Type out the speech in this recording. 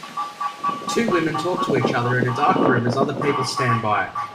Two women talk to each other in a dark room as other people stand by.